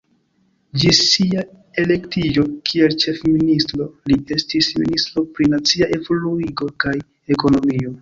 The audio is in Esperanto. Ĝis sia elektiĝo kiel ĉefministro li estis ministro pri nacia evoluigo kaj ekonomio.